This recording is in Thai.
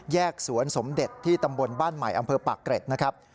สวนสมเด็จที่ตำบลบ้านใหม่อำเภอปากเกร็ดนะครับ